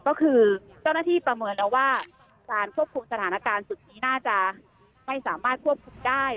ก็คือเจ้าหน้าที่ประเมินแล้วว่าการควบคุมสถานการณ์สุดนี้น่าจะไม่สามารถควบคุมได้